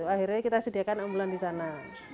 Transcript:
akhirnya kita sediakan ambulan di sana